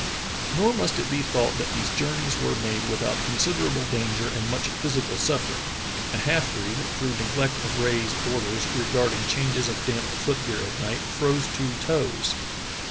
Nor must it be thought that these journeys were made without considerable danger and much physical suffering. A half breed, through neglect of Rae's orders regarding changes of damp foot gear at night, froze two toes.